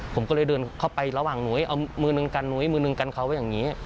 ผมก็เลยเดินเข้าไประหว่างหนุ้ยเอามือนึงกันหุ้ยมือหนึ่งกันเขาไว้อย่างนี้